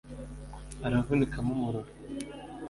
Aravunika mumurora